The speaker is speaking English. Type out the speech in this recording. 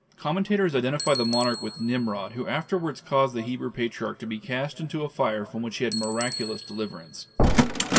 Commentators identify the monarch with Nimrod, who afterwards caused the Hebrew patriarch to be cast into a fire from which he had miraculous deliverance.